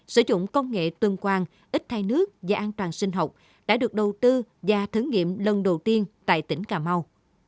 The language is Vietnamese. sử dụng công nghệ tương quan ít thay nước và an toàn sinh học đã được đầu tư và thử nghiệm lần đầu tiên tại tỉnh cà mau